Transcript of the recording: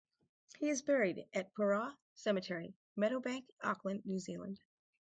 He is buried at Purewa Cemetery, Meadowbank, Auckland, New Zealand.